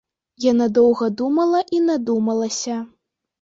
Яна доўга думала і надумалася.